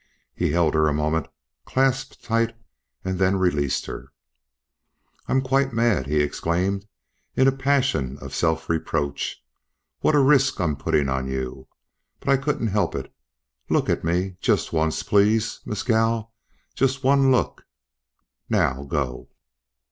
He held her a moment, clasped tight, and then released her. "I'm quite mad!" he exclaimed, in a passion of self reproach. "What a risk I'm putting on you! But I couldn't help it. Look at me Just once please Mescal, just one look.... Now go."